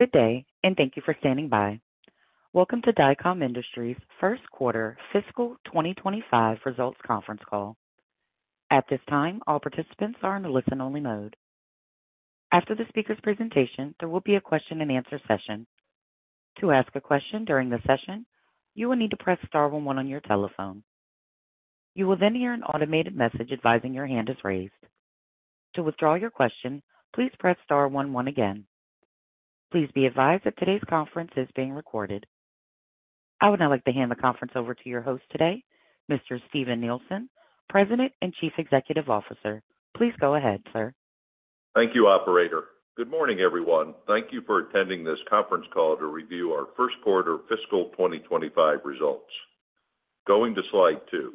Good day, and thank you for standing by. Welcome to Dycom Industries' first quarter fiscal 2025 results conference call. At this time, all participants are in a listen-only mode. After the speaker's presentation, there will be a question-and-answer session. To ask a question during the session, you will need to press star one one on your telephone. You will then hear an automated message advising your hand is raised. To withdraw your question, please press star one one again. Please be advised that today's conference is being recorded. I would now like to hand the conference over to your host today, Mr. Steven Nielsen, President and Chief Executive Officer. Please go ahead, sir. Thank you, operator. Good morning, everyone. Thank you for attending this conference call to review our first quarter fiscal 2025 results. Going to slide two.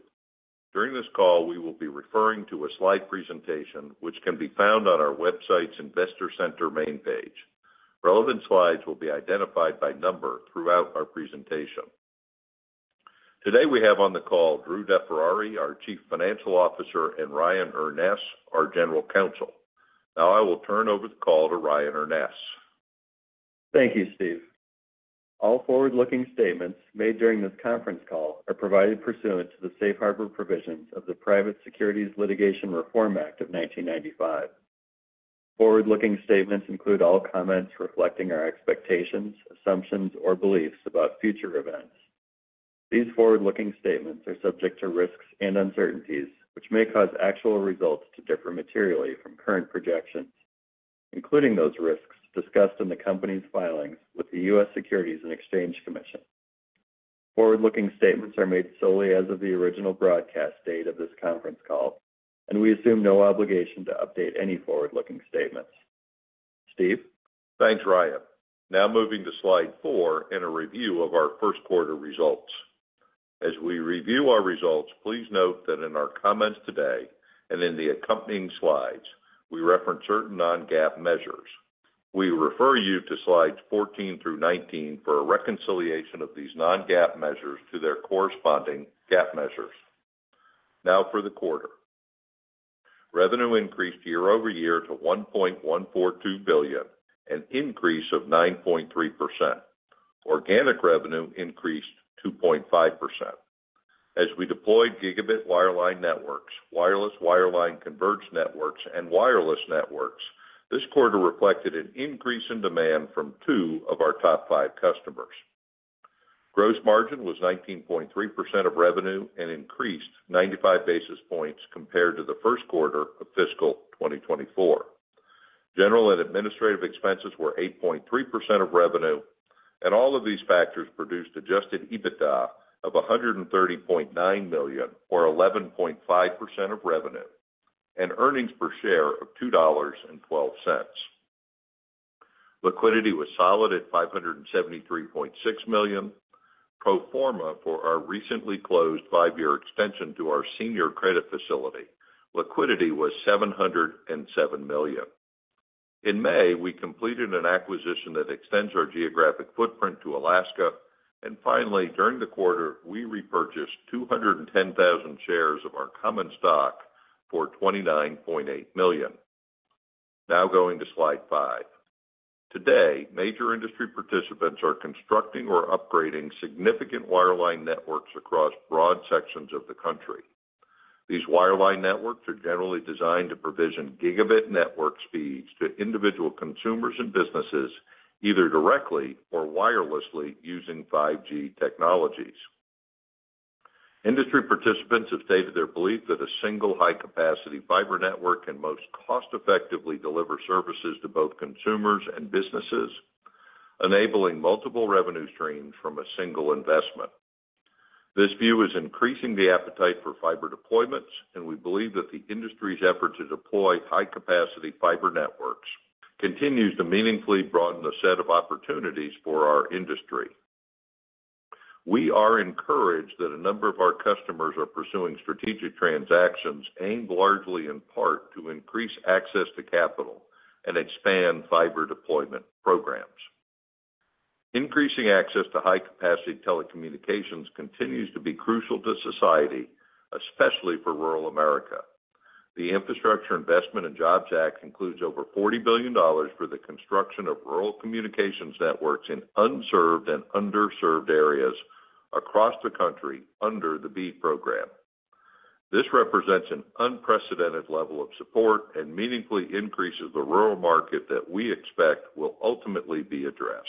During this call, we will be referring to a slide presentation, which can be found on our website's Investor Center main page. Relevant slides will be identified by number throughout our presentation. Today, we have on the call Drew DeFerrari, our Chief Financial Officer, and Ryan Urness, our General Counsel. Now I will turn over the call to Ryan Urness. Thank you, Steve. All forward-looking statements made during this conference call are provided pursuant to the safe harbor provisions of the Private Securities Litigation Reform Act of 1995. Forward-looking statements include all comments reflecting our expectations, assumptions, or beliefs about future events. These forward-looking statements are subject to risks and uncertainties, which may cause actual results to differ materially from current projections, including those risks discussed in the company's filings with the U.S. Securities and Exchange Commission. Forward-looking statements are made solely as of the original broadcast date of this conference call, and we assume no obligation to update any forward-looking statements. Steve? Thanks, Ryan. Now moving to slide nine in a review of our first quarter results. As we review our results, please note that in our comments today and in the accompanying slides, we reference certain Non-GAAP measures. We refer you to Slides 14 through 19 for a reconciliation of these Non-GAAP measures to their corresponding GAAP measures. Now for the quarter. Revenue increased year-over-year to $1.142 billion, an increase of 9.3%. Organic revenue increased 2.5%. As we deployed gigabit wireline networks, wireless wireline converged networks, and wireless networks, this quarter reflected an increase in demand from two of our top five customers. Gross margin was 19.3% of revenue and increased 95 basis points compared to the first quarter of fiscal 2024. General and administrative expenses were 8.3% of revenue, and all of these factors produced Adjusted EBITDA of $130.9 million, or 11.5% of revenue, and earnings per share of $2.12. Liquidity was solid at $573.6 million. Pro forma for our recently closed five-year extension to our senior credit facility, liquidity was $707 million. In May, we completed an acquisition that extends our geographic footprint to Alaska, and finally, during the quarter, we repurchased 210,000 shares of our common stock for $29.8 million. Now going to slide five. Today, major industry participants are constructing or upgrading significant wireline networks across broad sections of the country. These wireline networks are generally designed to provision gigabit network speeds to individual consumers and businesses, either directly or wirelessly, using 5G technologies. Industry participants have stated their belief that a single high-capacity fiber network can most cost-effectively deliver services to both consumers and businesses, enabling multiple revenue streams from a single investment. This view is increasing the appetite for fiber deployments, and we believe that the industry's effort to deploy high-capacity fiber networks continues to meaningfully broaden the set of opportunities for our industry. We are encouraged that a number of our customers are pursuing strategic transactions aimed largely in part to increase access to capital and expand fiber deployment programs. Increasing access to high-capacity telecommunications continues to be crucial to society, especially for rural America. The Infrastructure Investment and Jobs Act includes over $40 billion for the construction of rural communications networks in unserved and underserved areas across the country under the BEAD program. This represents an unprecedented level of support and meaningfully increases the rural market that we expect will ultimately be addressed.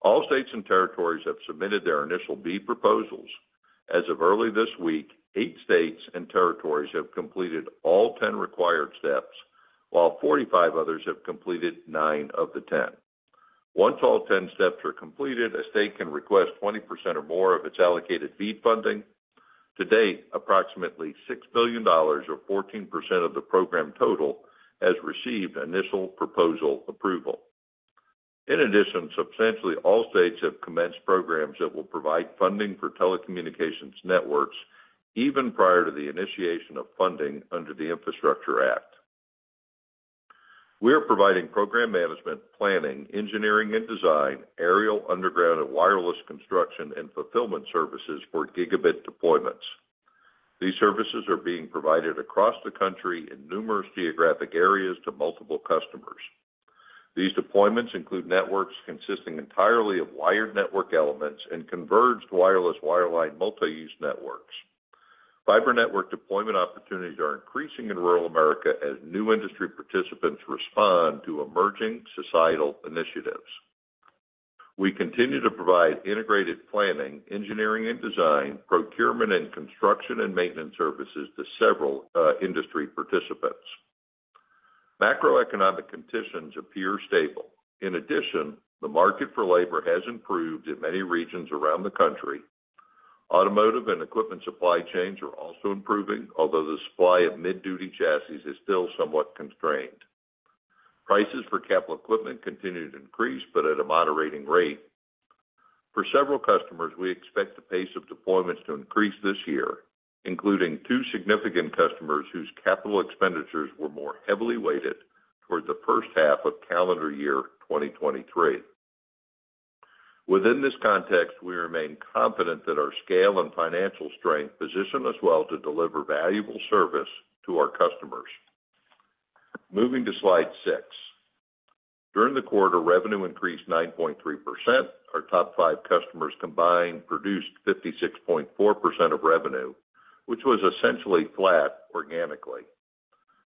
All states and territories have submitted their initial BEAD proposals. As of early this week, 8 states and territories have completed all 10 required steps, while 45 others have completed 9 of the 10. Once all 10 steps are completed, a state can request 20% or more of its allocated BEAD funding. To date, approximately $6 billion, or 14% of the program total, has received initial proposal approval. In addition, substantially all states have commenced programs that will provide funding for telecommunications networks even prior to the initiation of funding under the Infrastructure Act. We are providing program management, planning, engineering and design, aerial, underground, and wireless construction, and fulfillment services for gigabit deployments. These services are being provided across the country in numerous geographic areas to multiple customers. These deployments include networks consisting entirely of wired network elements and converged wireless wireline multi-use networks. Fiber network deployment opportunities are increasing in rural America as new industry participants respond to emerging societal initiatives. We continue to provide integrated planning, engineering and design, procurement and construction, and maintenance services to several industry participants. Macroeconomic conditions appear stable. In addition, the market for labor has improved in many regions around the country. Automotive and equipment supply chains are also improving, although the supply of mid-duty chassis is still somewhat constrained. Prices for capital equipment continue to increase, but at a moderating rate. For several customers, we expect the pace of deployments to increase this year, including two significant customers whose capital expenditures were more heavily weighted towards the first half of calendar year 2023. Within this context, we remain confident that our scale and financial strength position us well to deliver valuable service to our customers. Moving to slide six. During the quarter, revenue increased 9.3%. Our top five customers combined produced 56.4% of revenue, which was essentially flat organically.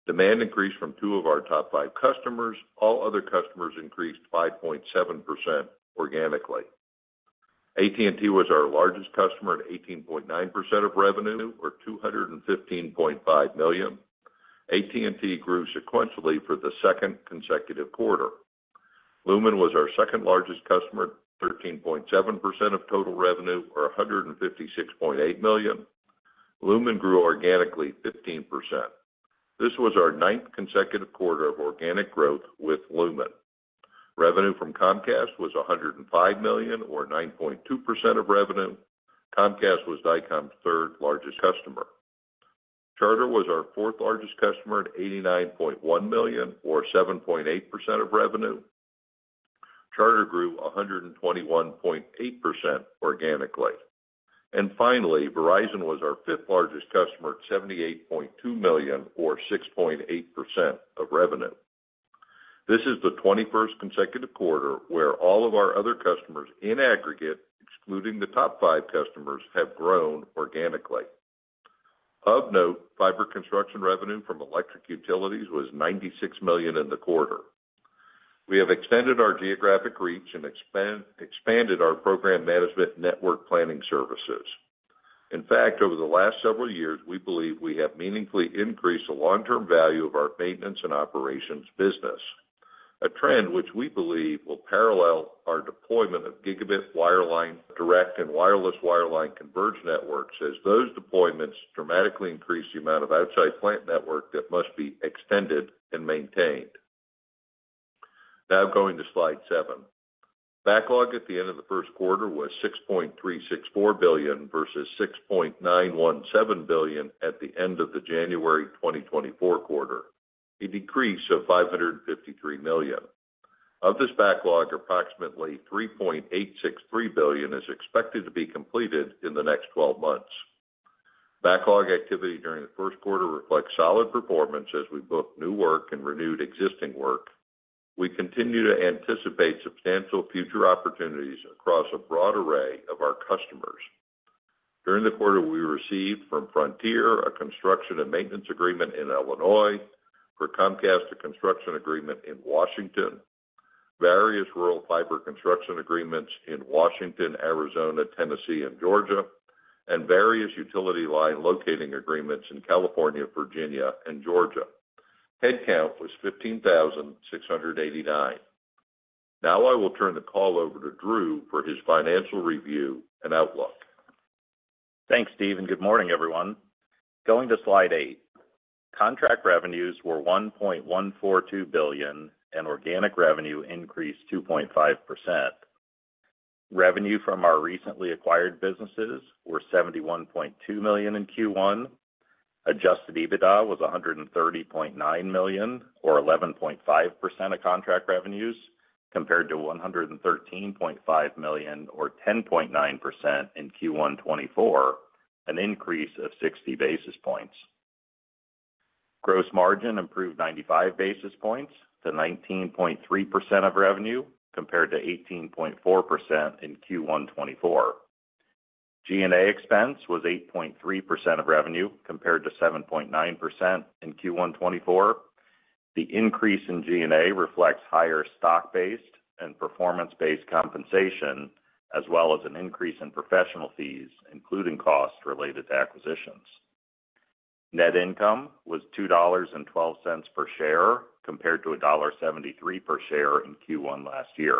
Demand increased from two of our top five customers. All other customers increased 5.7% organically. AT&T was our largest customer at 18.9% of revenue, or $215.5 million. AT&T grew sequentially for the second consecutive quarter. Lumen was our second-largest customer at 13.7% of total revenue, or $156.8 million. Lumen grew organically 15%. This was our ninth consecutive quarter of organic growth with Lumen. Revenue from Comcast was $105 million, or 9.2% of revenue. Comcast was Dycom's third-largest customer. Charter was our fourth-largest customer, at $89.1 million, or 7.8% of revenue. Charter grew 121.8% organically. And finally, Verizon was our fifth-largest customer, at $78.2 million, or 6.8% of revenue. This is the 21st consecutive quarter where all of our other customers, in aggregate, excluding the top five customers, have grown organically. Of note, fiber construction revenue from electric utilities was $96 million in the quarter. We have extended our geographic reach and expanded our program management network planning services. In fact, over the last several years, we believe we have meaningfully increased the long-term value of our maintenance and operations business, a trend which we believe will parallel our deployment of gigabit wireline, direct and wireless wireline converged networks, as those deployments dramatically increase the amount of outside plant network that must be extended and maintained. Now going to slide seven. Backlog at the end of the first quarter was $6.364 billion, versus $6.917 billion at the end of the January 2024 quarter, a decrease of $553 million. Of this backlog, approximately $3.863 billion is expected to be completed in the next twelve months. Backlog activity during the first quarter reflects solid performance as we book new work and renewed existing work. We continue to anticipate substantial future opportunities across a broad array of our customers. During the quarter, we received from Frontier, a construction and maintenance agreement in Illinois, for Comcast, a construction agreement in Washington, various rural fiber construction agreements in Washington, Arizona, Tennessee, and Georgia, and various utility line locating agreements in California, Virginia, and Georgia. Headcount was 15,689. Now, I will turn the call over to Drew for his financial review and outlook. Thanks, Steve, and good morning, everyone. Going to slide eight. Contract revenues were $1.142 billion, and organic revenue increased 2.5%. Revenue from our recently acquired businesses were $71.2 million in Q1. Adjusted EBITDA was $130.9 million, or 11.5% of contract revenues, compared to $113.5 million, or 10.9% in Q1 2024, an increase of 60 basis points. Gross margin improved 95 basis points to 19.3% of revenue, compared to 18.4% in Q1 2024. G&A expense was 8.3% of revenue, compared to 7.9% in Q1 2024. The increase in G&A reflects higher stock-based and performance-based compensation, as well as an increase in professional fees, including costs related to acquisitions. Net income was $2.12 per share, compared to $1.73 per share in Q1 last year.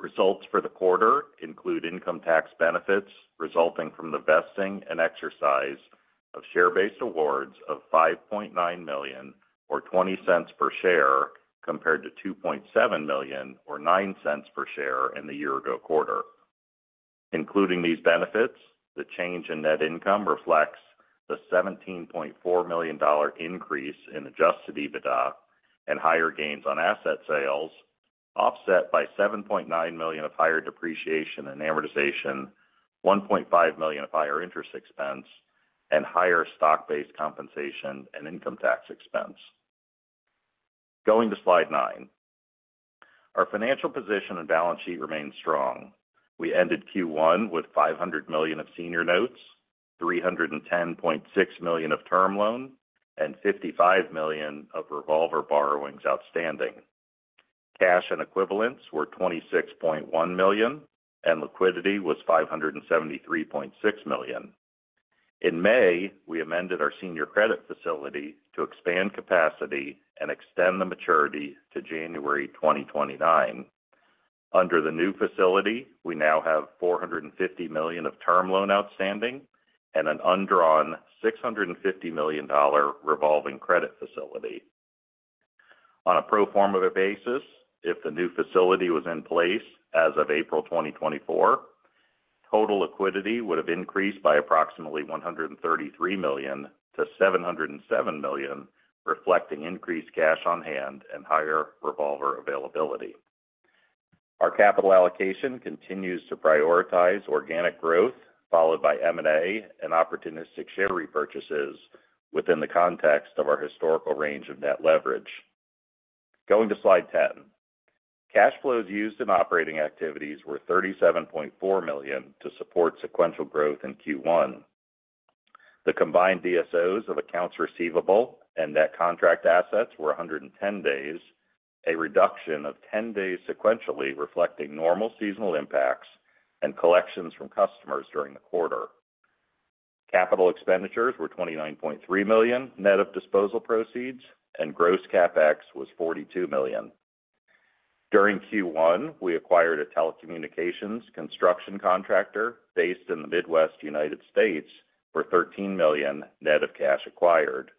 Results for the quarter include income tax benefits resulting from the vesting and exercise of share-based awards of $5.9 million, or $0.20 per share, compared to $2.7 million, or $0.09 per share in the year ago quarter. Including these benefits, the change in net income reflects the $17.4 million increase in adjusted EBITDA and higher gains on asset sales, offset by $7.9 million of higher depreciation and amortization, $1.5 million of higher interest expense, and higher stock-based compensation and income tax expense. Going to slide nine. Our financial position and balance sheet remain strong. We ended Q1 with $500 million of senior notes, $310.6 million of term loan, and $55 million of revolver borrowings outstanding. Cash and equivalents were $26.1 million, and liquidity was $573.6 million. In May, we amended our senior credit facility to expand capacity and extend the maturity to January 2029. Under the new facility, we now have $450 million of term loan outstanding and an undrawn $650 million revolving credit facility. On a pro forma basis, if the new facility was in place as of April 2024, total liquidity would have increased by approximately $133 million to $707 million, reflecting increased cash on hand and higher revolver availability. Our capital allocation continues to prioritize organic growth, followed by M&A and opportunistic share repurchases within the context of our historical range of net leverage. Going to Slide 10. Cash flows used in operating activities were $37.4 million to support sequential growth in Q1. The combined DSOs of accounts receivable and net contract assets were 110 days, a reduction of 10 days sequentially, reflecting normal seasonal impacts and collections from customers during the quarter. Capital expenditures were $29.3 million, net of disposal proceeds, and gross CapEx was $42 million. During Q1, we acquired a telecommunications construction contractor based in the Midwest United States for $13 million, net of cash acquired.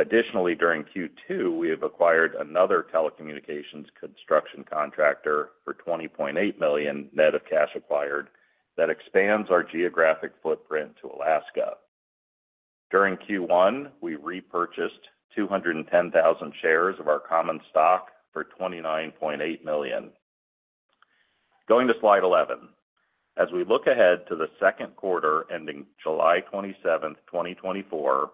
Additionally, during Q2, we have acquired another telecommunications construction contractor for $20.8 million, net of cash acquired, that expands our geographic footprint to Alaska. During Q1, we repurchased 210,000 shares of our common stock for $29.8 million. Going to slide 11. As we look ahead to the second quarter, ending July 27, 2024,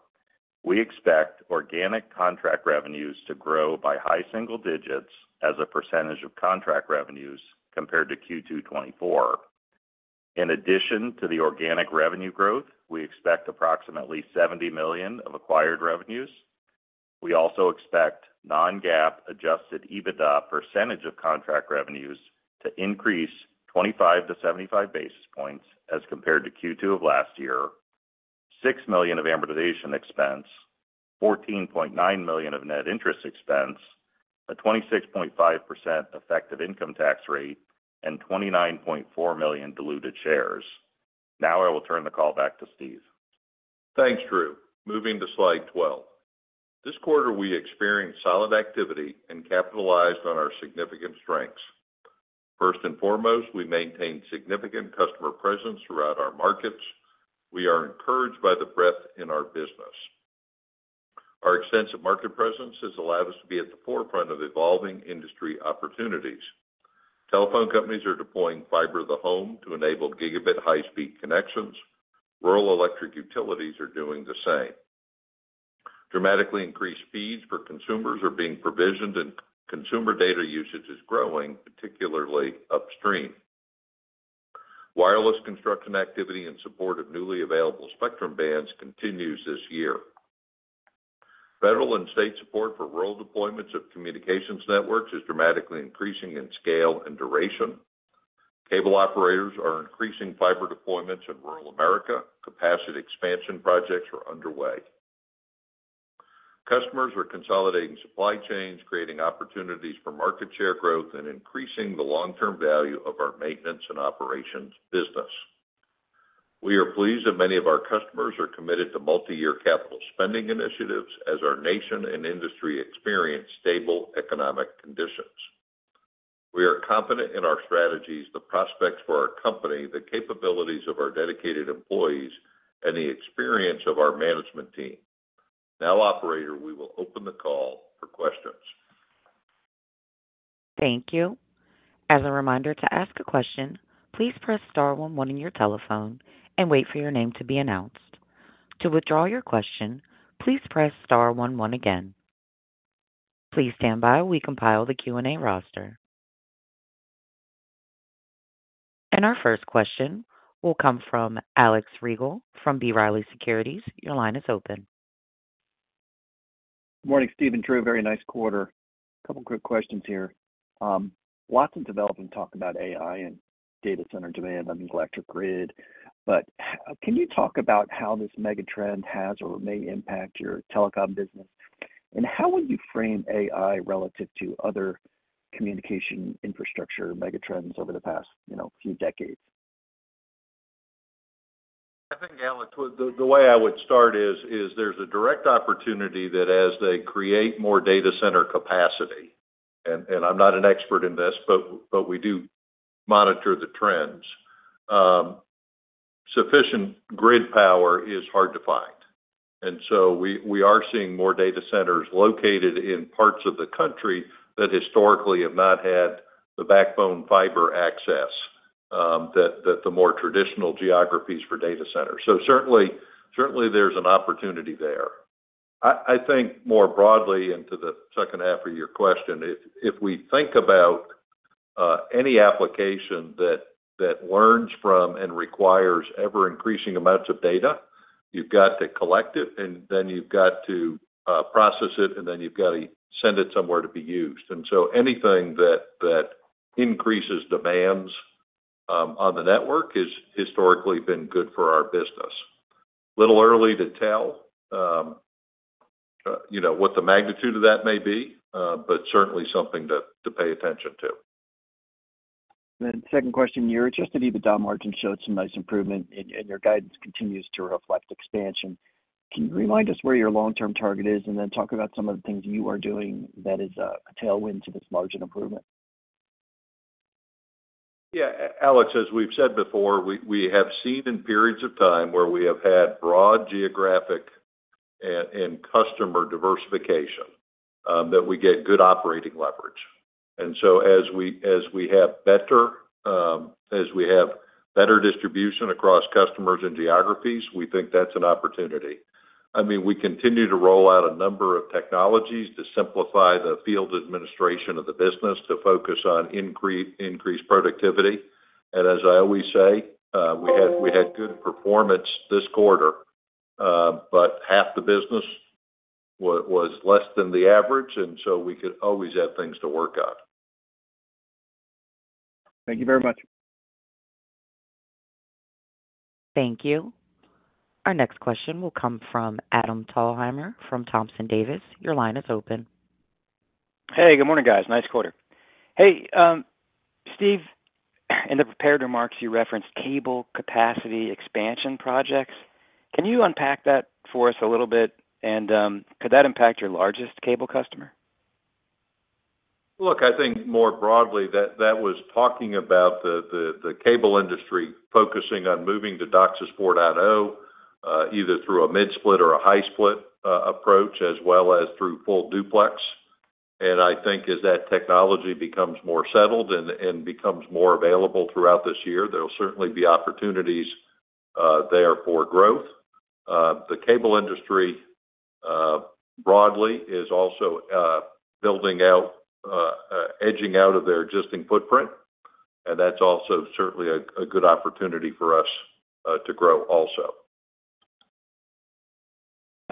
we expect organic contract revenues to grow by high single digits as a percentage of contract revenues compared to Q2 2024. In addition to the organic revenue growth, we expect approximately $70 million of acquired revenues. We also expect Non-GAAP adjusted EBITDA percentage of contract revenues to increase 25 basis points-75 basis points as compared to Q2 of last year, $6 million of amortization expense, $14.9 million of net interest expense, a 26.5% effective income tax rate, and 29.4 million diluted shares. Now I will turn the call back to Steve. Thanks, Drew. Moving to Slide 12. This quarter, we experienced solid activity and capitalized on our significant strengths. First and foremost, we maintained significant customer presence throughout our markets. We are encouraged by the breadth in our business. Our extensive market presence has allowed us to be at the forefront of evolving industry opportunities. Telephone companies are deploying fiber to the home to enable gigabit high-speed connections. Rural electric utilities are doing the same. Dramatically increased speeds for consumers are being provisioned, and consumer data usage is growing, particularly upstream. Wireless construction activity in support of newly available spectrum bands continues this year. Federal and state support for rural deployments of communications networks is dramatically increasing in scale and duration. Cable operators are increasing fiber deployments in rural America. Capacity expansion projects are underway. Customers are consolidating supply chains, creating opportunities for market share growth and increasing the long-term value of our maintenance and operations business. We are pleased that many of our customers are committed to multiyear capital spending initiatives as our nation and industry experience stable economic conditions. We are confident in our strategies, the prospects for our company, the capabilities of our dedicated employees, and the experience of our management team. Now, operator, we will open the call for questions. Thank you. As a reminder, to ask a question, please press star one one on your telephone and wait for your name to be announced. To withdraw your question, please press star one one again. Please stand by while we compile the Q&A roster. Our first question will come from Alex Riegel from B. Riley Securities. Your line is open. Morning, Steve and Drew. Very nice quarter. A couple quick questions here. Lots of development talk about AI and data center demand on the electric grid, but can you talk about how this mega trend has or may impact your telecom business? And how would you frame AI relative to other communication infrastructure mega trends over the past, you know, few decades? I think, Alex, the way I would start is there's a direct opportunity that as they create more data center capacity, and I'm not an expert in this, but we monitor the trends. Sufficient grid power is hard to find, and so we are seeing more data centers located in parts of the country that historically have not had the backbone fiber access that the more traditional geographies for data centers. So certainly there's an opportunity there. I think more broadly, and to the second half of your question, if we think about any application that learns from and requires ever-increasing amounts of data, you've got to collect it, and then you've got to process it, and then you've got to send it somewhere to be used. So anything that increases demands on the network has historically been good for our business. A little early to tell, you know, what the magnitude of that may be, but certainly something to pay attention to. Then second question here, just that EBITDA margin showed some nice improvement, and your guidance continues to reflect expansion. Can you remind us where your long-term target is, and then talk about some of the things you are doing that is a tailwind to this margin improvement? Yeah, Alex, as we've said before, we have seen in periods of time where we have had broad geographic and customer diversification, that we get good operating leverage. And so as we have better distribution across customers and geographies, we think that's an opportunity. I mean, we continue to roll out a number of technologies to simplify the field administration of the business, to focus on increased productivity. And as I always say, we had good performance this quarter, but half the business was less than the average, and so we could always have things to work on. Thank you very much. Thank you. Our next question will come from Adam Thalhimer from Thompson Davis. Your line is open. Hey, good morning, guys. Nice quarter. Hey, Steve, in the prepared remarks, you referenced cable capacity expansion projects. Can you unpack that for us a little bit? And, could that impact your largest cable customer? Look, I think more broadly, that was talking about the cable industry focusing on moving to DOCSIS 4.0, either through a mid-split or a high-split approach, as well as through full duplex. And I think as that technology becomes more settled and becomes more available throughout this year, there will certainly be opportunities there for growth. The cable industry broadly is also building out, edging out of their existing footprint, and that's also certainly a good opportunity for us to grow also.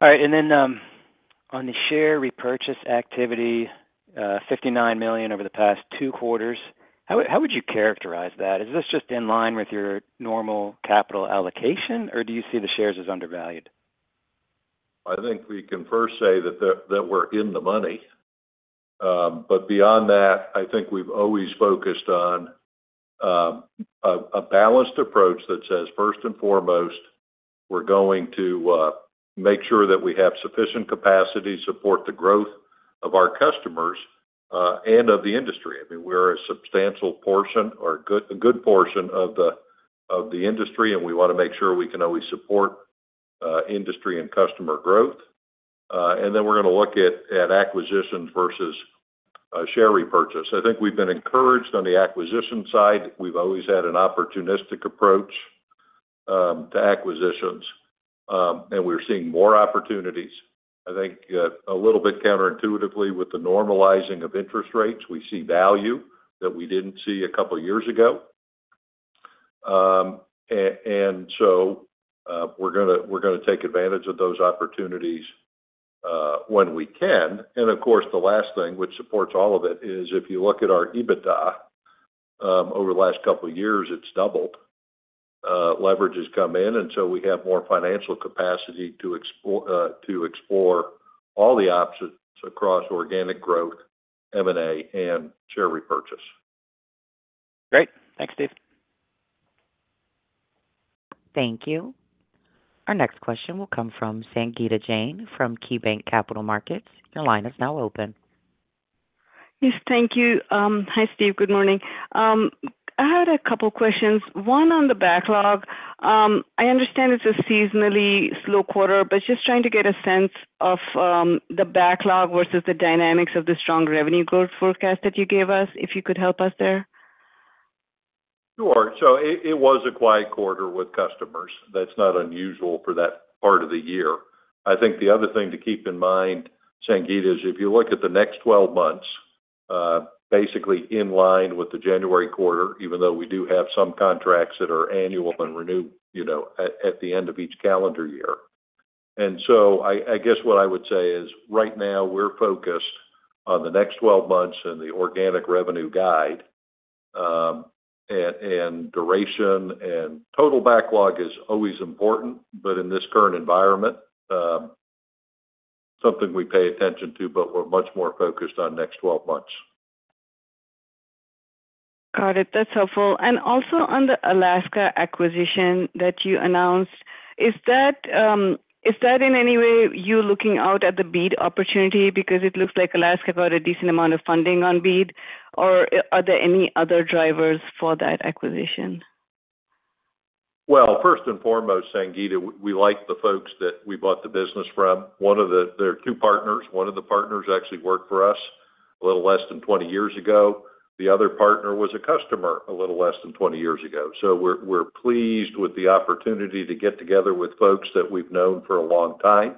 All right. On the share repurchase activity, $59 million over the past two quarters, how would, how would you characterize that? Is this just in line with your normal capital allocation, or do you see the shares as undervalued? I think we can first say that we're in the money. But beyond that, I think we've always focused on a balanced approach that says, first and foremost, we're going to make sure that we have sufficient capacity to support the growth of our customers and of the industry. I mean, we're a substantial portion or a good portion of the industry, and we want to make sure we can always support industry and customer growth. And then we're going to look at acquisitions versus share repurchase. I think we've been encouraged on the acquisition side. We've always had an opportunistic approach to acquisitions, and we're seeing more opportunities. I think a little bit counterintuitively, with the normalizing of interest rates, we see value that we didn't see a couple years ago. And so, we're gonna take advantage of those opportunities when we can. And of course, the last thing, which supports all of it, is if you look at our EBITDA over the last couple of years, it's doubled. Leverage has come in, and so we have more financial capacity to explore all the options across organic growth, M&A, and share repurchase. Great. Thanks, Steve. Thank you. Our next question will come from Sangeeta Jain from KeyBanc Capital Markets. Your line is now open. Yes, thank you. Hi, Steve. Good morning. I had a couple questions, one on the backlog. I understand it's a seasonally slow quarter, but just trying to get a sense of the backlog versus the dynamics of the strong revenue growth forecast that you gave us, if you could help us there? Sure. So it was a quiet quarter with customers. That's not unusual for that part of the year. I think the other thing to keep in mind, Sangeeta, is if you look at the next 12 months, basically in line with the January quarter, even though we do have some contracts that are annual and renew, you know, at the end of each calendar year. And so I guess what I would say is, right now, we're focused on the next 12 months and the organic revenue guide, and duration and total backlog is always important, but in this current environment, something we pay attention to, but we're much more focused on next 12 months. Got it. That's helpful. And also, on the Alaska acquisition that you announced, is that, is that in any way you looking out at the BEAD opportunity? Because it looks like Alaska got a decent amount of funding on BEAD, or are there any other drivers for that acquisition?... Well, first and foremost, Sangeeta, we like the folks that we bought the business from. There are two partners. One of the partners actually worked for us a little less than 20 years ago. The other partner was a customer a little less than 20 years ago. So we're pleased with the opportunity to get together with folks that we've known for a long time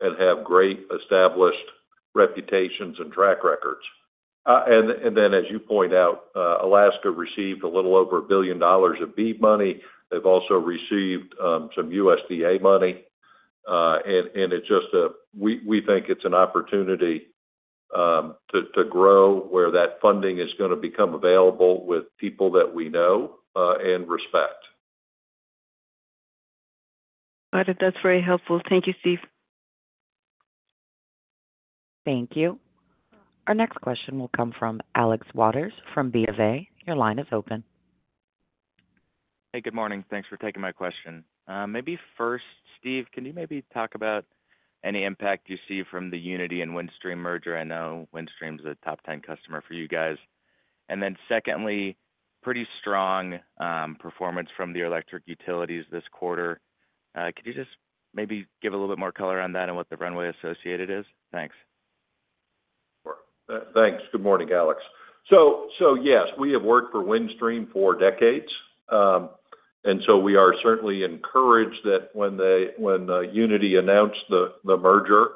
and have great established reputations and track records. And then, as you point out, Alaska received a little over $1 billion of BEAD money. They've also received some USDA money, and it's just we think it's an opportunity to grow where that funding is gonna become available with people that we know and respect. Got it. That's very helpful. Thank you, Steve. Thank you. Our next question will come from Alex Waters from BofA. Your line is open. Hey, good morning. Thanks for taking my question. Maybe first, Steve, can you maybe talk about any impact you see from the Uniti and Windstream merger? I know Windstream's a top ten customer for you guys. And then secondly, pretty strong performance from the electric utilities this quarter. Could you just maybe give a little bit more color on that and what the runway associated is? Thanks. Sure. Thanks. Good morning, Alex. So yes, we have worked for Windstream for decades. And so we are certainly encouraged that when Uniti announced the merger,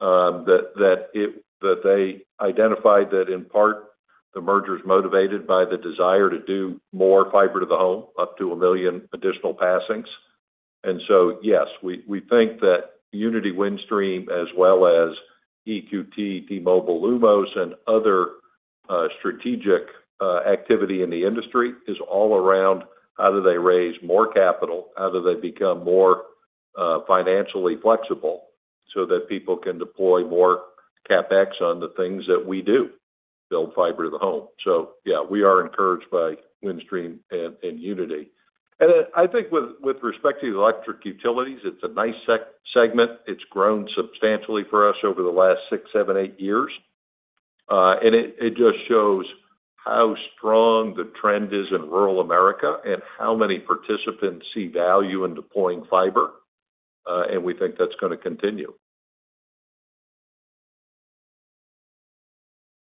that they identified that in part, the merger's motivated by the desire to do more fiber to the home, up to 1 million additional passings. And so yes, we think that Uniti-Windstream, as well as EQT, T-Mobile, Lumos, and other strategic activity in the industry, is all around how do they raise more capital, how do they become more financially flexible, so that people can deploy more CapEx on the things that we do, build fiber to the home. So yeah, we are encouraged by Windstream and Uniti. And I think with respect to the electric utilities, it's a nice segment. It's grown substantially for us over the last six, seven, eight years. It just shows how strong the trend is in rural America and how many participants see value in deploying fiber, and we think that's gonna continue.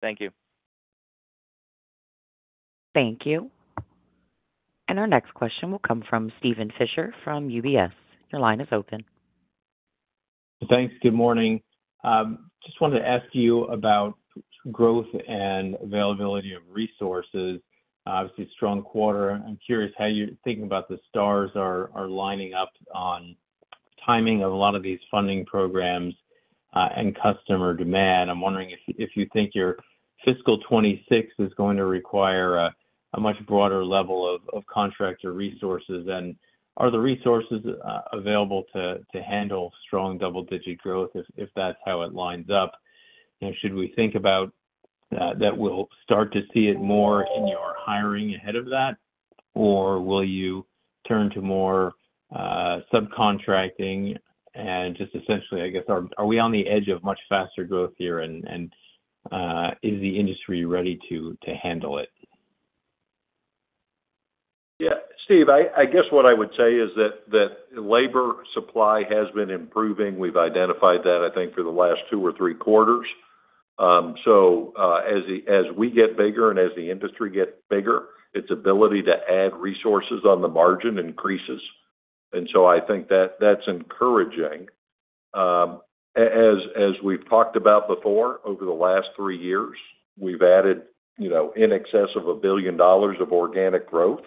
Thank you. Thank you. And our next question will come from Steven Fisher from UBS. Your line is open. Thanks. Good morning. Just wanted to ask you about growth and availability of resources. Obviously, strong quarter. I'm curious how you're thinking about the stars are lining up on timing of a lot of these funding programs, and customer demand. I'm wondering if you think your fiscal 2026 is going to require a much broader level of contractor resources, and are the resources available to handle strong double-digit growth if that's how it lines up? You know, should we think about that we'll start to see it more in your hiring ahead of that, or will you turn to more subcontracting? And just essentially, I guess, are we on the edge of much faster growth here, and is the industry ready to handle it? Yeah, Steve, I guess what I would say is that labor supply has been improving. We've identified that, I think, for the last two or three quarters. So, as we get bigger and as the industry gets bigger, its ability to add resources on the margin increases. And so I think that that's encouraging. As we've talked about before, over the last three years, we've added, you know, in excess of $1 billion of organic growth.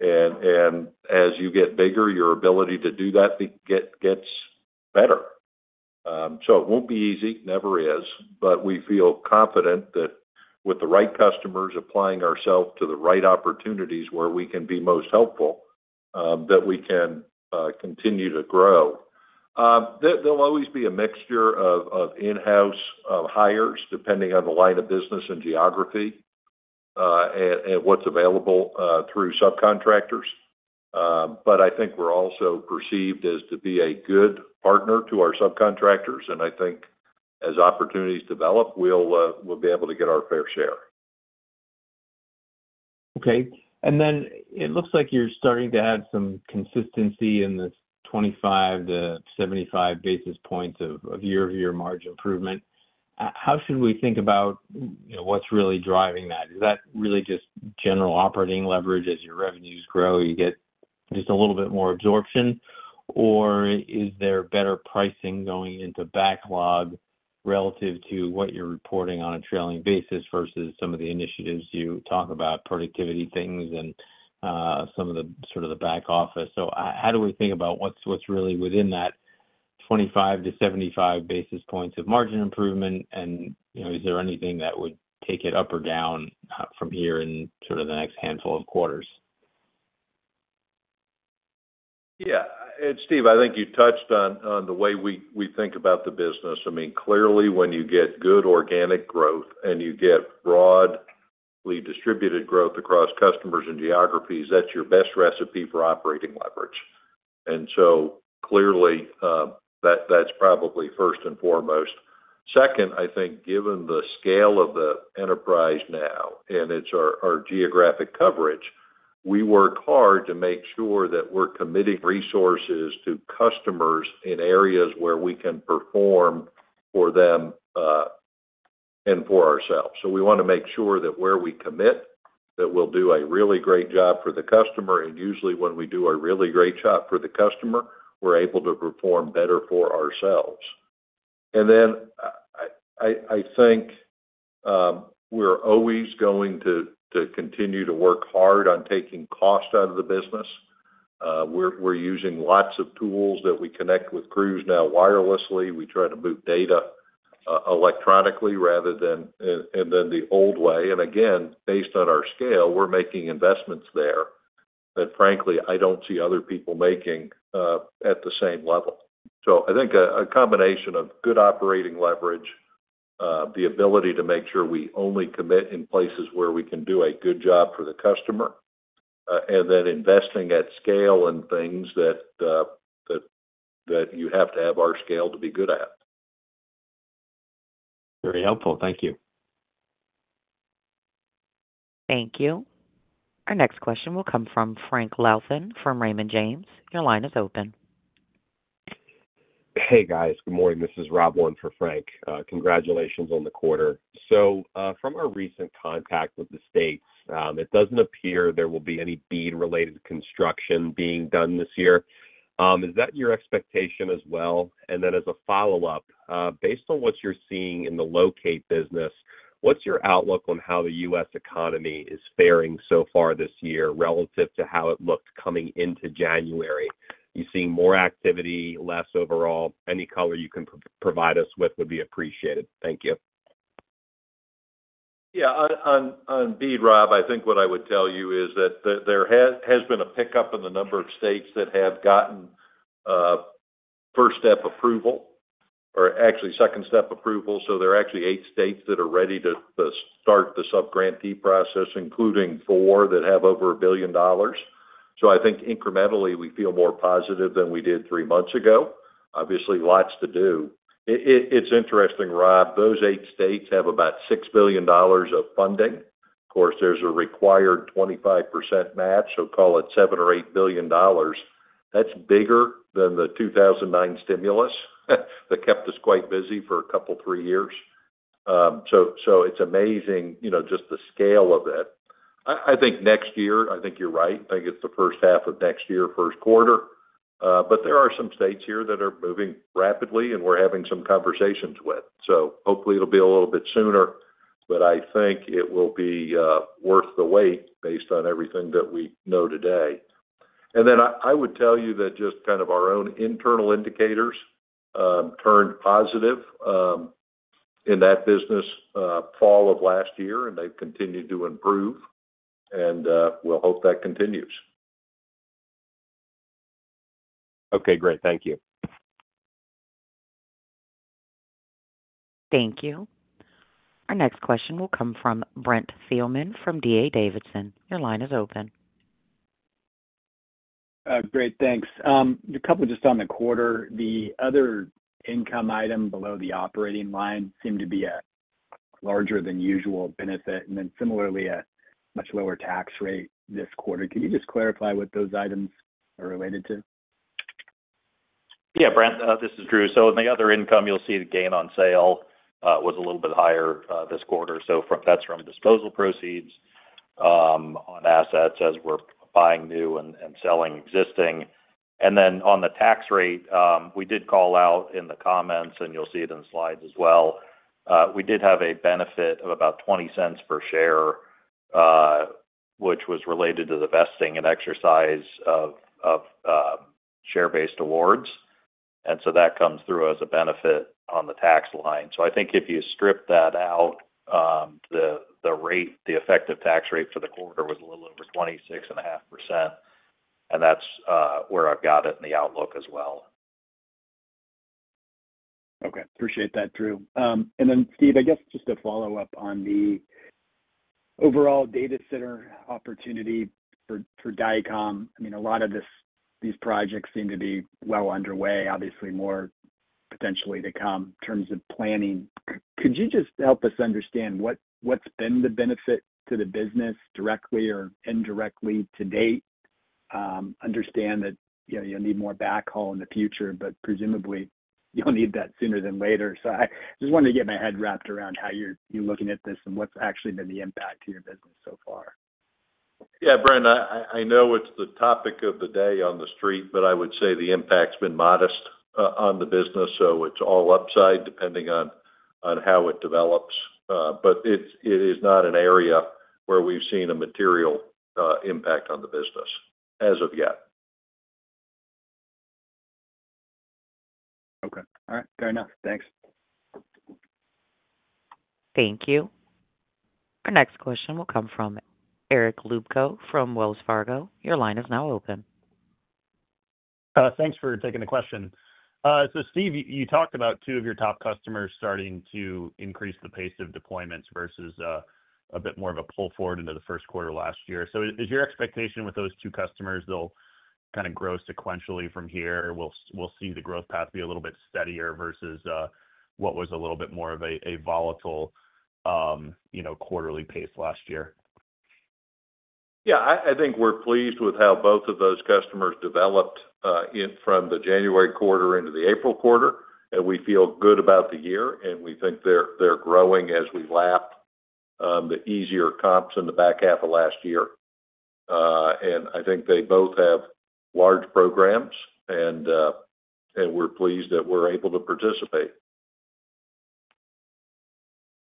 And as you get bigger, your ability to do that gets better. So it won't be easy, never is, but we feel confident that with the right customers, applying ourselves to the right opportunities where we can be most helpful, that we can continue to grow. There'll always be a mixture of in-house hires, depending on the line of business and geography, and what's available through subcontractors. But I think we're also perceived as to be a good partner to our subcontractors, and I think as opportunities develop, we'll be able to get our fair share. Okay. And then it looks like you're starting to add some consistency in this 25 basis points-75 basis points of year-over-year margin improvement. How should we think about, you know, what's really driving that? Is that really just general operating leverage? As your revenues grow, you get just a little bit more absorption, or is there better pricing going into backlog relative to what you're reporting on a trailing basis versus some of the initiatives you talk about, productivity things and some of the sort of the back office? So how do we think about what's really within that 25-75 basis points of margin improvement, and, you know, is there anything that would take it up or down from here in sort of the next handful of quarters? Yeah. And Steve, I think you touched on the way we think about the business. I mean, clearly, when you get good organic growth and you get broadly distributed growth across customers and geographies, that's your best recipe for operating leverage. And so clearly, that that's probably first and foremost. Second, I think given the scale of the enterprise now, and it's our geographic coverage, we work hard to make sure that we're committing resources to customers in areas where we can perform for them and for ourselves. So we wanna make sure that where we commit, that we'll do a really great job for the customer, and usually, when we do a really great job for the customer, we're able to perform better for ourselves. And then, I think we're always going to continue to work hard on taking cost out of the business. We're using lots of tools that we connect with crews now wirelessly. We try to move data electronically, rather than and then the old way. And again, based on our scale, we're making investments there that frankly, I don't see other people making at the same level. So I think a combination of good operating leverage, the ability to make sure we only commit in places where we can do a good job for the customer, and then investing at scale in things that you have to have our scale to be good at. Very helpful. Thank you. Thank you. Our next question will come from Frank Louthan from Raymond James. Your line is open. Hey, guys. Good morning. This is Rob Won for Frank. Congratulations on the quarter. So, from our recent contact with the states, it doesn't appear there will be any BEAD-related construction being done this year. Is that your expectation as well? And then as a follow-up, based on what you're seeing in the locate business, what's your outlook on how the U.S. economy is faring so far this year relative to how it looked coming into January? You seeing more activity, less overall? Any color you can provide us with would be appreciated. Thank you. Yeah. On BEAD, Rob, I think what I would tell you is that there has been a pickup in the number of states that have gotten first-step approval, or actually second-step approval. So there are actually 8 states that are ready to start the sub-grantee process, including 4 that have over $1 billion. So I think incrementally, we feel more positive than we did 3 months ago. Obviously, lots to do. It's interesting, Rob, those 8 states have about $6 billion of funding. Of course, there's a required 25% match, so call it $7 billion or $8 billion. That's bigger than the 2009 stimulus that kept us quite busy for a couple, 3 years. So it's amazing, you know, just the scale of it. I think next year, I think you're right. I think it's the first half of next year, first quarter. But there are some states here that are moving rapidly, and we're having some conversations with. So hopefully, it'll be a little bit sooner, but I think it will be worth the wait based on everything that we know today. And then I would tell you that just kind of our own internal indicators turned positive in that business fall of last year, and they've continued to improve, and we'll hope that continues. Okay, great. Thank you. Thank you. Our next question will come from Brent Thielman from D.A. Davidson. Your line is open. Great, thanks. A couple just on the quarter. The other income item below the operating line seemed to be a larger than usual benefit, and then similarly, a much lower tax rate this quarter. Can you just clarify what those items are related to? Yeah, Brent, this is Drew. So in the other income, you'll see the gain on sale was a little bit higher this quarter. So from-- that's from disposal proceeds on assets as we're buying new and selling existing. And then on the tax rate, we did call out in the comments, and you'll see it in the slides as well. We did have a benefit of about $0.20 per share, which was related to the vesting and exercise of share-based awards. And so that comes through as a benefit on the tax line. So I think if you strip that out, the rate, the effective tax rate for the quarter was a little over 26.5%, and that's where I've got it in the outlook as well. Okay. Appreciate that, Drew. And then Steve, I guess just to follow up on the overall data center opportunity for Dycom. I mean, a lot of this, these projects seem to be well underway, obviously, more potentially to come in terms of planning. Could you just help us understand what's been the benefit to the business directly or indirectly to date? Understand that, you know, you'll need more backhaul in the future, but presumably, you'll need that sooner than later. So I just wanted to get my head wrapped around how you're looking at this and what's actually been the impact to your business so far. Yeah, Brent, I know it's the topic of the day on the street, but I would say the impact's been modest on the business, so it's all upside, depending on how it develops. But it is not an area where we've seen a material impact on the business as of yet. Okay. All right, fair enough. Thanks. Thank you. Our next question will come from Eric Luebchow from Wells Fargo. Your line is now open. Thanks for taking the question. So Steve, you talked about two of your top customers starting to increase the pace of deployments versus a bit more of a pull forward into the first quarter last year. So is your expectation with those two customers, they'll kind of grow sequentially from here? We'll see the growth path be a little bit steadier versus what was a little bit more of a volatile you know quarterly pace last year. Yeah, I think we're pleased with how both of those customers developed in from the January quarter into the April quarter, and we feel good about the year, and we think they're growing as we lap the easier comps in the back half of last year. And I think they both have large programs, and we're pleased that we're able to participate.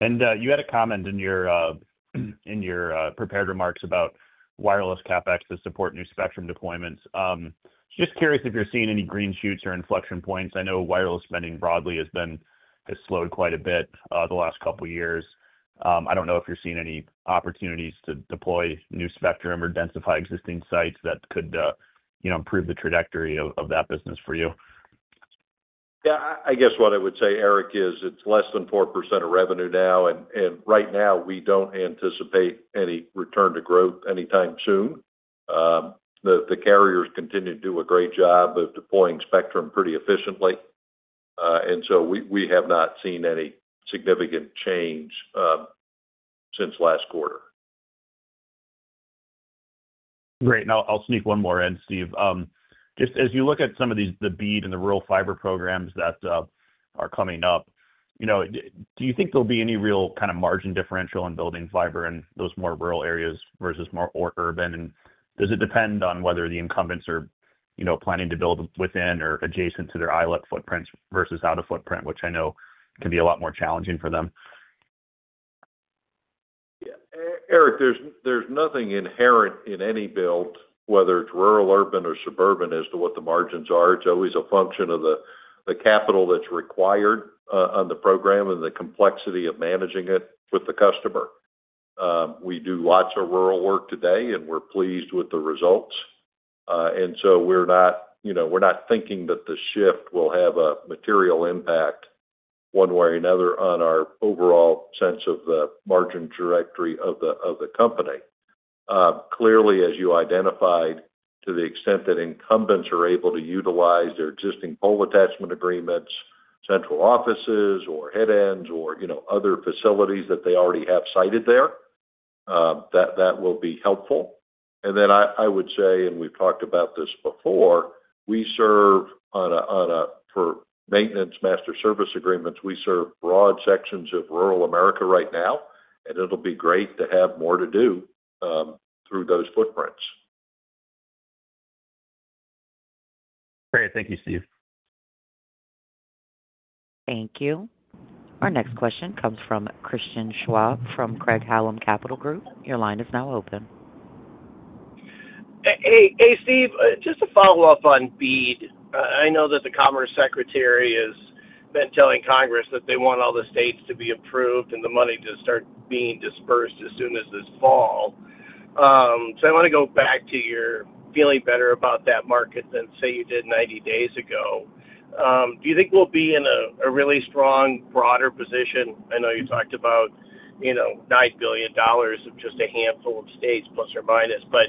You had a comment in your prepared remarks about wireless CapEx to support new spectrum deployments. Just curious if you're seeing any green shoots or inflection points. I know wireless spending broadly has been, has slowed quite a bit, the last couple of years. I don't know if you're seeing any opportunities to deploy new spectrum or densify existing sites that could, you know, improve the trajectory of, of that business for you. Yeah, I guess what I would say, Eric, is it's less than 4% of revenue now, and right now, we don't anticipate any return to growth anytime soon. The carriers continue to do a great job of deploying spectrum pretty efficiently, and so we have not seen any significant change since last quarter. Great. I'll sneak one more in, Steve. Just as you look at some of these, the BEAD and the rural fiber programs that are coming up, you know, do you think there'll be any real kind of margin differential in building fiber in those more rural areas versus more urban? And does it depend on whether the incumbents are, you know, planning to build within or adjacent to their ILEC footprints versus out-of-footprint, which I know can be a lot more challenging for them? Yeah. Eric, there's nothing inherent in any build, whether it's rural, urban, or suburban, as to what the margins are. It's always a function of the capital that's required on the program and the complexity of managing it with the customer. We do lots of rural work today, and we're pleased with the results. And so we're not, you know, we're not thinking that the shift will have a material impact one way or another on our overall sense of the margin trajectory of the company. Clearly, as you identified, to the extent that incumbents are able to utilize their existing pole attachment agreements, central offices or headends or, you know, other facilities that they already have sited there, that will be helpful. And then I, I would say, and we've talked about this before, we serve on a for maintenance master service agreements, we serve broad sections of rural America right now, and it'll be great to have more to do through those footprints. Great. Thank you, Steve. Thank you. Our next question comes from Christian Schwab, from Craig-Hallum Capital Group. Your line is now open. Hey, hey, Steve, just to follow up on BEAD. I know that the Commerce Secretary has been telling Congress that they want all the states to be approved and the money to be dispersed as soon as this fall. So I wanna go back to your feeling better about that market than, say, you did 90 days ago. Do you think we'll be in a really strong, broader position? I know you talked about, you know, $9 billion of just a handful of states, plus or minus. But,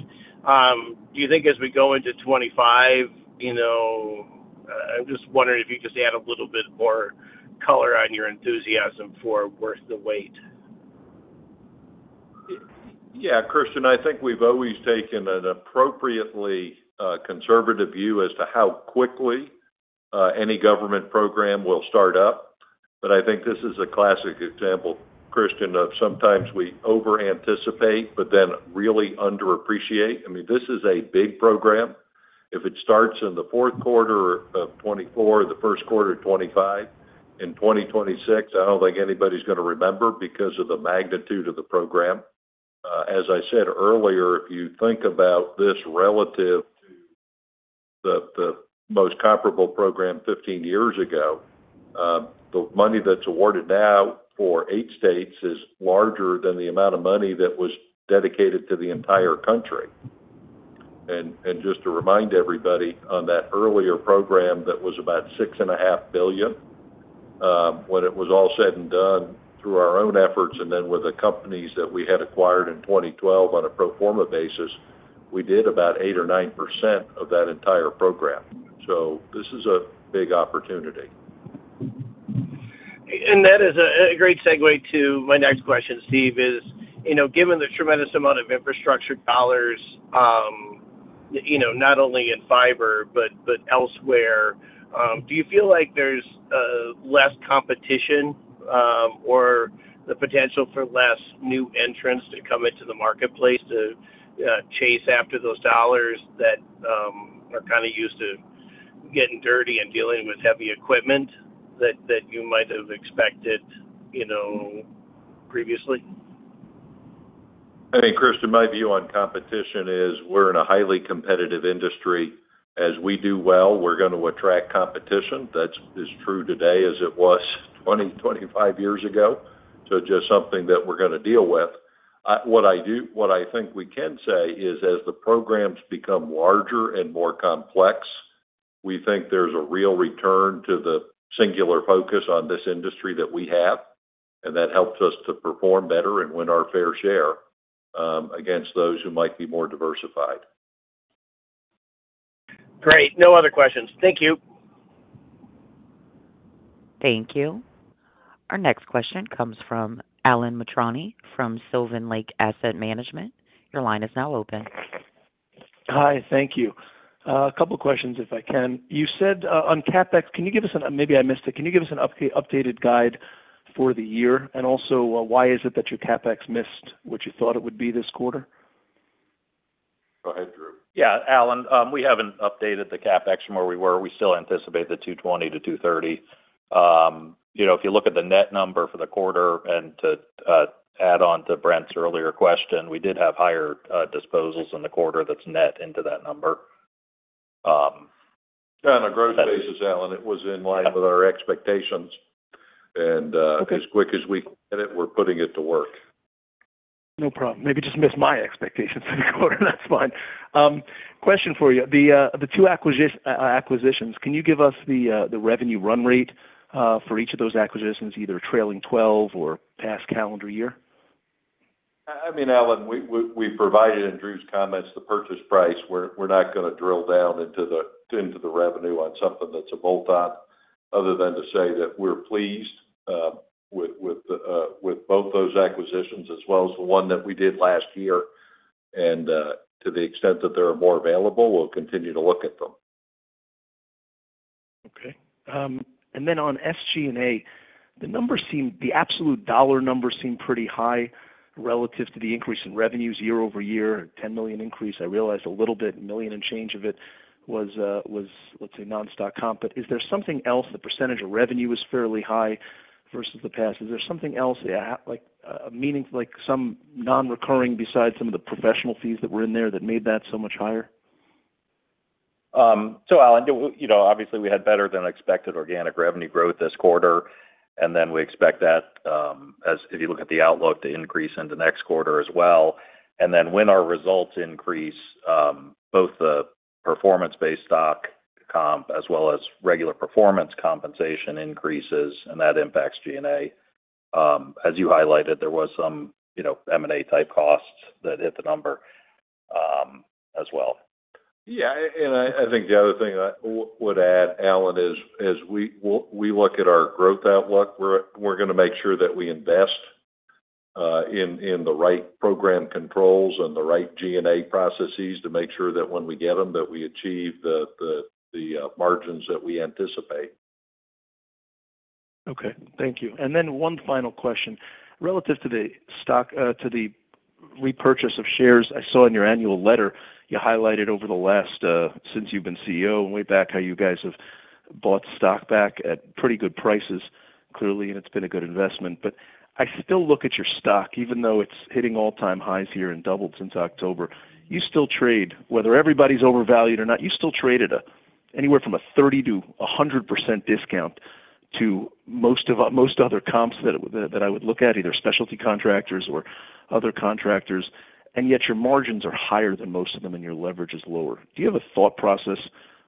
do you think as we go into 2025, you know... I'm just wondering if you could just add a little bit more color on your enthusiasm for worth the wait. Yeah, Christian, I think we've always taken an appropriately conservative view as to how quickly any government program will start up. But I think this is a classic example, Christian, of sometimes we over-anticipate, but then really underappreciate. I mean, this is a big program. If it starts in the fourth quarter of 2024, the first quarter of 2025, in 2026, I don't think anybody's gonna remember because of the magnitude of the program. As I said earlier, if you think about this relative to the most comparable program 15 years ago, the money that's awarded now for 8 states is larger than the amount of money that was dedicated to the entire country. And just to remind everybody, on that earlier program, that was about $6.5 billion when it was all said and done, through our own efforts and then with the companies that we had acquired in 2012 on a pro forma basis, we did about 8% or 9% of that entire program. So this is a big opportunity. That is a great segue to my next question, Steve. You know, given the tremendous amount of infrastructure dollars, you know, not only in fiber, but elsewhere, do you feel like there's less competition, or the potential for less new entrants to come into the marketplace to chase after those dollars that are kind of used to getting dirty and dealing with heavy equipment that you might have expected, you know, previously? I think, Christian, my view on competition is we're in a highly competitive industry. As we do well, we're gonna attract competition. That's as true today as it was 20-25 years ago, so just something that we're gonna deal with. What I think we can say is, as the programs become larger and more complex, we think there's a real return to the singular focus on this industry that we have, and that helps us to perform better and win our fair share against those who might be more diversified. Great. No other questions. Thank you. Thank you. Our next question comes from Alan Mitrani from Sylvan Lake Asset Management. Your line is now open. Hi, thank you. A couple questions, if I can. You said, on CapEx, can you give us an updated guide for the year? And also, why is it that your CapEx missed what you thought it would be this quarter? Go ahead, Drew. Yeah, Alan, we haven't updated the CapEx from where we were. We still anticipate the $220-$230. You know, if you look at the net number for the quarter, and to add on to Brent's earlier question, we did have higher disposals in the quarter that's net into that number, that- Yeah, on a gross basis, Alan, it was in line with our expectations. Yep. And, uh- Okay... as quick as we get it, we're putting it to work. No problem. Maybe just missed my expectations for the quarter. That's fine. Question for you: the two acquisitions, can you give us the revenue run rate for each of those acquisitions, either trailing twelve or past calendar year? I mean, Alan, we provided in Drew's comments the purchase price. We're not gonna drill down into the revenue on something that's a bolt-on, other than to say that we're pleased with both those acquisitions as well as the one that we did last year. To the extent that there are more available, we'll continue to look at them. Okay. And then on SG&A, the numbers seem... The absolute dollar numbers seem pretty high relative to the increase in revenues year-over-year, a $10 million increase. I realize a little bit, a $1 million and change of it was, let's say, non-stock comp. But is there something else, the percentage of revenue is fairly high versus the past. Is there something else, like, meaning, like some non-recurring besides some of the professional fees that were in there that made that so much higher? So, Alan, you know, obviously, we had better than expected organic revenue growth this quarter, and then we expect that, if you look at the outlook, to increase into next quarter as well. And then when our results increase, both the performance-based stock comp as well as regular performance compensation increases, and that impacts G&A. As you highlighted, there was some, you know, M&A-type costs that hit the number, as well. Yeah, and I think the other thing I would add, Alan, is as we look at our growth outlook, we're gonna make sure that we invest in the right program controls and the right G&A processes to make sure that when we get them, that we achieve the margins that we anticipate. Okay. Thank you. And then one final question. Relative to the stock, to the repurchase of shares, I saw in your annual letter, you highlighted over the last, since you've been CEO and way back, how you guys have bought stock back at pretty good prices. Clearly, and it's been a good investment. But I still look at your stock, even though it's hitting all-time highs here and doubled since October, you still trade, whether everybody's overvalued or not, you still trade at anywhere from a 30%-100% discount to most of most other comps that I would look at, either specialty contractors or other contractors, and yet your margins are higher than most of them, and your leverage is lower. Do you have a thought process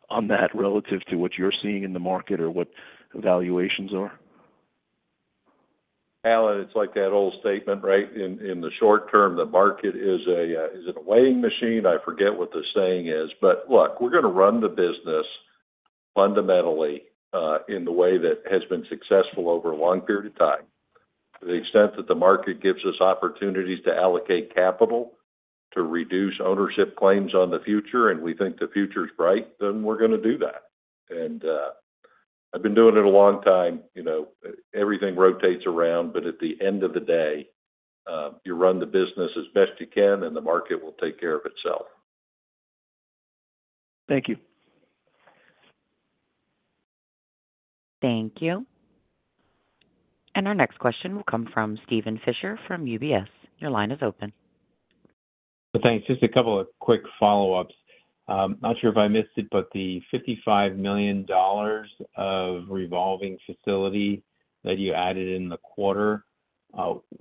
on that relative to what you're seeing in the market or what valuations are? Alan, it's like that old statement, right? In the short term, the market is a, is it a weighing machine? I forget what the saying is, but look, we're gonna run the business fundamentally in the way that has been successful over a long period of time. To the extent that the market gives us opportunities to allocate capital, to reduce ownership claims on the future, and we think the future is bright, then we're gonna do that. And, I've been doing it a long time, you know, everything rotates around, but at the end of the day, you run the business as best you can, and the market will take care of itself. Thank you. Thank you. And our next question will come from Steven Fisher from UBS. Your line is open. Thanks. Just a couple of quick follow-ups. Not sure if I missed it, but the $55 million of revolving facility that you added in the quarter,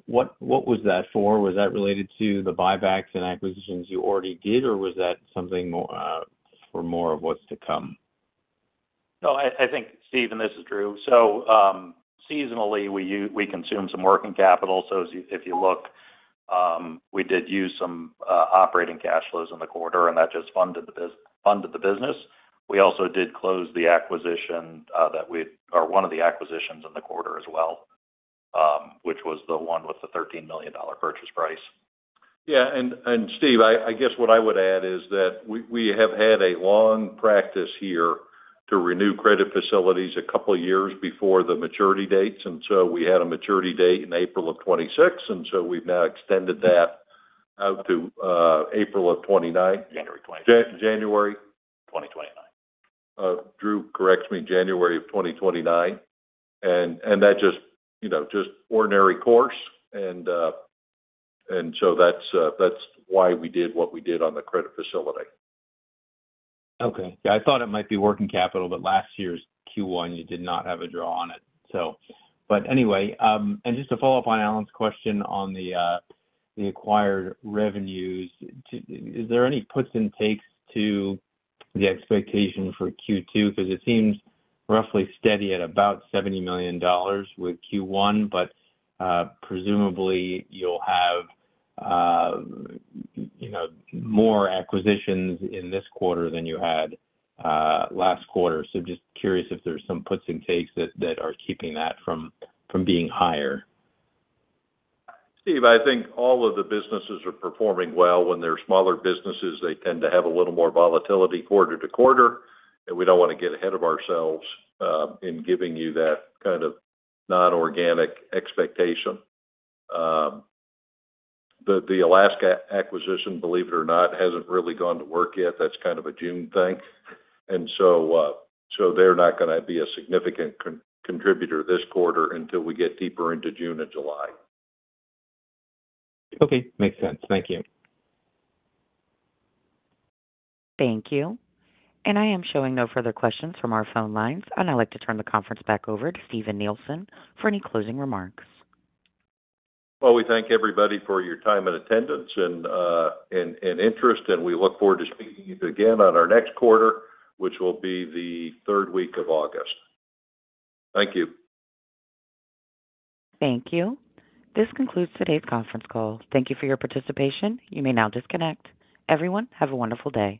what, what was that for? Was that related to the buybacks and acquisitions you already did, or was that something more, for more of what's to come? No, I think, Steven, this is Drew. So, seasonally, we consume some working capital. So if you look, we did use some operating cash flows in the quarter, and that just funded the business. We also did close the acquisition that we or one of the acquisitions in the quarter as well, which was the one with the $13 million purchase price. Yeah, and Steve, I guess what I would add is that we have had a long practice here to renew credit facilities a couple of years before the maturity dates, and so we had a maturity date in April of 2026, and so we've now extended that out to April of 2029. January of 29. Jan- January? 2029. Drew, correct me, January of 2029. And that just, you know, just ordinary course. And so that's why we did what we did on the credit facility. Okay. Yeah, I thought it might be working capital, but last year's Q1, you did not have a draw on it. So, but anyway, and just to follow up on Adam's question on the acquired revenues, is there any puts and takes to the expectation for Q2? Because it seems roughly steady at about $70 million with Q1, but presumably, you'll have, you know, more acquisitions in this quarter than you had last quarter. So just curious if there's some puts and takes that are keeping that from being higher. Steve, I think all of the businesses are performing well. When they're smaller businesses, they tend to have a little more volatility quarter to quarter, and we don't wanna get ahead of ourselves in giving you that kind of non-organic expectation. The Alaska acquisition, believe it or not, hasn't really gone to work yet. That's kind of a June thing. And so, so they're not gonna be a significant contributor this quarter until we get deeper into June and July. Okay, makes sense. Thank you. Thank you. I am showing no further questions from our phone lines, and I'd like to turn the conference back over to Steven Nielsen for any closing remarks. Well, we thank everybody for your time and attendance and interest, and we look forward to speaking with you again on our next quarter, which will be the third week of August. Thank you. Thank you. This concludes today's conference call. Thank you for your participation. You may now disconnect. Everyone, have a wonderful day.